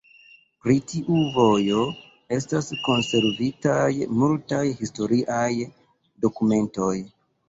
Pri tiu vojo estas konservitaj multaj historiaj dokumentoj.